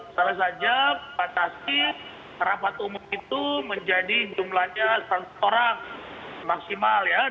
salah saja batasi rapat umum itu menjadi jumlahnya seratus orang maksimal ya